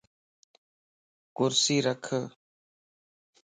ڪرسي رک